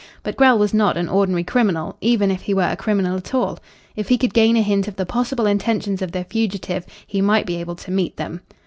But Grell was not an ordinary criminal, even if he were a criminal at all. If he could gain a hint of the possible intentions of the fugitive he might be able to meet them.